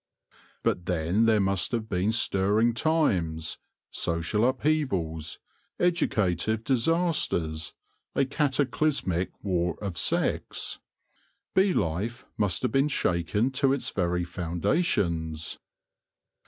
But then there must have been stirring times — social upheavals, educative disasters, a cataclysmic war of sex. Bee life must have been shaken to its very foundations.